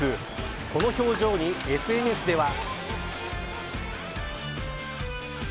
この表情にＳＮＳでは。